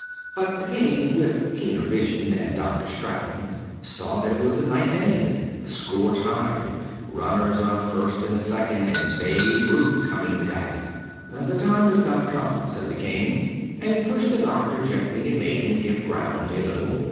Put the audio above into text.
But the king with keener vision than Dr. Straton, saw that it was the ninth inning, the score tied, runners on first and second, and Babe Ruth coming to bat. "The time has not come," said the king, and he pushed the doctor gently and made him give ground a little.